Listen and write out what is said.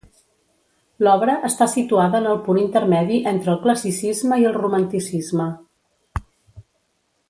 L'obra està situada en el punt intermedi entre el Classicisme i el Romanticisme.